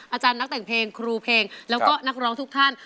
อาจารย์นักแต่งเพลงครูเพลงแล้วก็นักร้องทุกท่าน